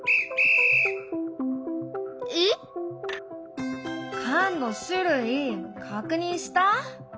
えっ？缶の種類確認した？